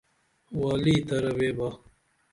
والی ترہ ویبا